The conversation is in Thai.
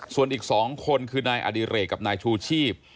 ส่วนอีก๒คนคือนายอดิเรกกับนายชูชีพ